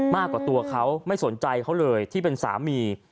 มากกว่าตัวเขาไม่สนใจเขาเลยที่เป็นสามี